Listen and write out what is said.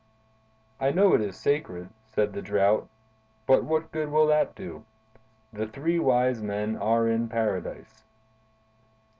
"I know it is sacred," said the Drought, "but what good will that do? The three wise men are in Paradise."